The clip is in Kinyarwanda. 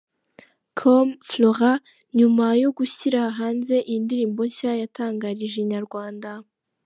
com Flora nyuma yo gushyira hanze iyi ndirimbo nshya yatangarije Inyarwanda.